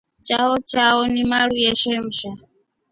Chao chamo ni maru ya shemsa.